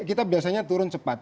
kita biasanya turun cepat